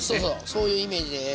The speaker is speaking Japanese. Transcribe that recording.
そういうイメージです。